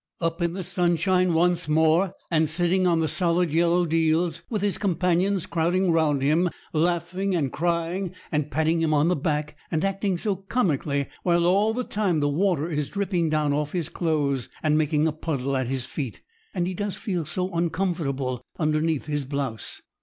up in the sunshine once more, and sitting on the solid yellow deals, with his companions crowding round him, laughing and crying, and patting him on the back, and acting so comically, while all the time the water is dripping down off his clothes, and making a puddle at his feet, and he does feel so uncomfortable underneath his blouse.